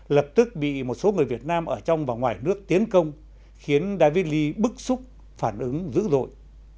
lập tức bị một số người việt nam ở trong và ngoài nước tiến công khiến david lee bức xúc phản ứng dữ dội